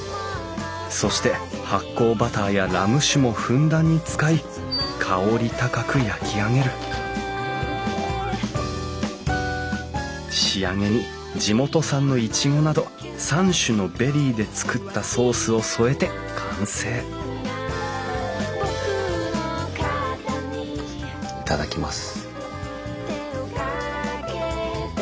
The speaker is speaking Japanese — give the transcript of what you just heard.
そして発酵バターやラム酒もふんだんに使い香り高く焼き上げる仕上げに地元産のイチゴなど３種のベリーで作ったソースを添えて完成頂きます。